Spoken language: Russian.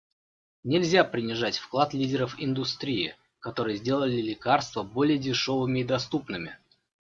Нельзя принижать вклад лидеров индустрии, которые сделали лекарства более дешевыми и доступными.